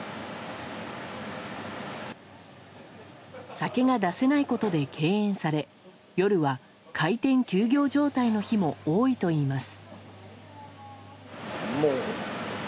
酒が出せないことで敬遠され夜は開店休業状態の日も多いといいます。